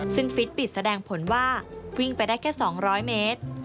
ซึ่งฟิตปิดแสดงผลว่าวิ่งไปได้แค่๒๐๐เมตร